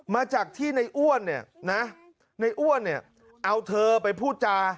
มาจากที่ในอ้วนเนี่ยนะในอ้วนเนี่ยเอาเธอไปพูดจา